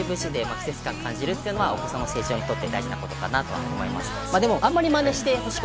節々で季節感を感じるのはお子さんたちにとって大事なことかなと思います。